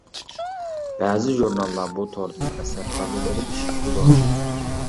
بەزى ژۇرناللار بۇ توردىن ئەسەر تاللىۋېلىپ ئىشلىتىدۇ.